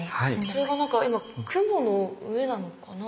それが何か今雲の上なのかな